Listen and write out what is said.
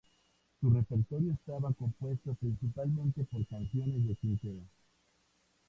Su repertorio estaba compuesto principalmente por canciones de Quintero.